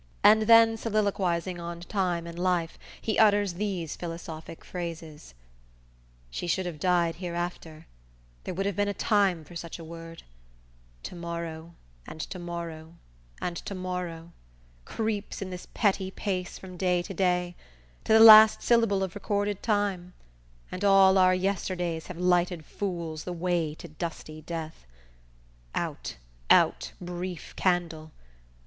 And then soliloquizing on time and life, he utters these philosophic phrases: _"She should have died hereafter; There would have been a time for such a word; To morrow; and to morrow, and to morrow Creeps in this petty pace from day to day, To the last syllable of recorded time; And all our yesterdays have lighted fools The way to dusty death. Out, out brief candle!